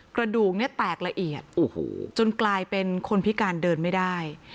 กระดูกเนี่ยแตกละเอียดจนกลายเป็นคนพิการเดินไม่ได้